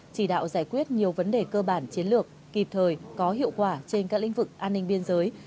chỉ đạo giải quyết nhiều vấn đề cơ bản chiến lược kịp thời có hiệu quả trên các lĩnh vực an ninh biên giới